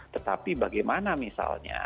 tetapi bagaimana misalnya